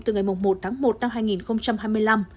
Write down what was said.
từ ngày một tháng một năm hai nghìn hai mươi năm